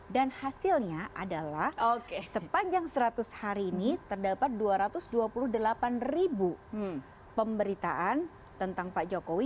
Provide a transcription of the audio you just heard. dan hasilnya adalah sepanjang seratus hari ini terdapat dua ratus dua puluh delapan ribu pemberitaan tentang pak jokowi